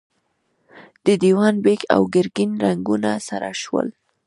د دېوان بېګ او ګرګين رنګونه سره شول.